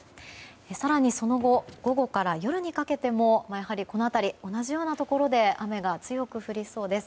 更に、その後午後から夜にかけてもこの辺り、同じようなところで雨が強く降りそうです。